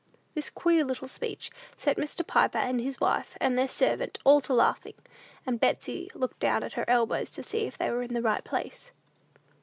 This queer little speech set Mr. Piper and his wife, and their servant, all to laughing, and Betsey looked at her elbows, to see if they were in the right place.